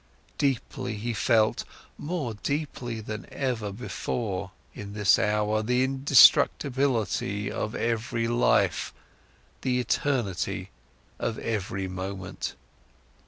Deeply he felt, more deeply than ever before, in this hour, the indestructibility of every life, the eternity of every moment.